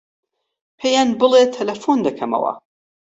پێیان بڵێ تەلەفۆن دەکەمەوە.